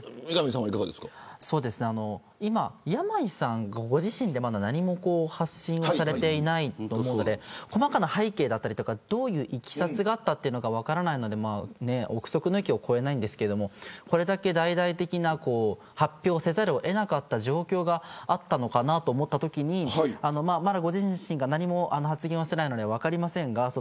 今、山井さんがご自身で何も発信されていないと思うので細かな背景だったりいきさつが分からないので臆測の域を超えないんですけれどこれだけ大々的な発表をせざるを得なかった状況があったのかなと思ったときに、ご自身がまだ何も発言していないので分かりません。